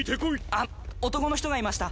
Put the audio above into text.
あっ男の人がいました！